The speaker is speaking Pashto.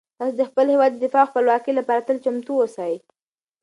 تاسو د خپل هیواد د دفاع او خپلواکۍ لپاره تل چمتو اوسئ.